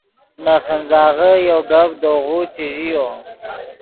نے خنځاغے یو گپ دے غو چے ژیو